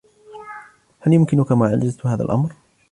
هل يمكنك معالجة هذا الامر ؟